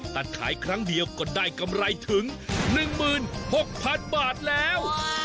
ตัดขายครั้งเดียวก็ได้กำไรถึง๑๖๐๐๐บาทแล้ว